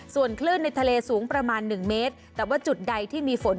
ส่วนคลื่นในทะเลสูงประมาณหนึ่งเมตรแต่ว่าจุดใดที่มีฝน